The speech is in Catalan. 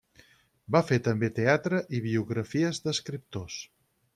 Va fer també teatre i biografies d'escriptors.